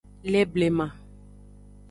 Le blema.